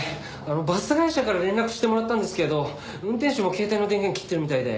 バス会社から連絡してもらったんですけど運転手も携帯の電源切ってるみたいで。